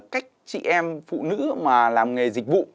cách chị em phụ nữ mà làm nghề dịch vụ